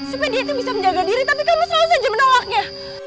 supaya dia itu bisa menjaga diri tapi kamu selalu saja menolaknya